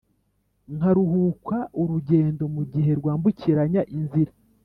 nkaruhuka urugendo mugihe rwambukiranya inzira,